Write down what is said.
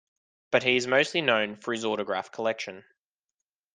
But he is mostly known for his autograph collection.